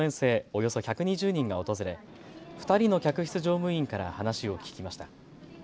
およそ１２０人が訪れ２人の客室乗務員から話を聞きました。